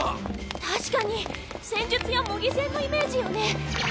確かに戦術や模擬戦のイメージよね。